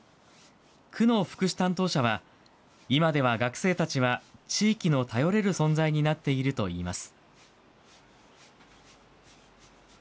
区の福祉担当者は、今では学生たちは地域の頼れる存在になっているといいます。